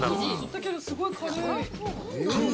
◆だけど、すごい軽い。